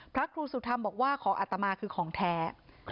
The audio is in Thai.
พระครูสุธรรมบอกว่าของอัตมาคือของแท้